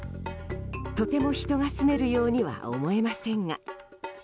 とても人が住めるようには思えませんが。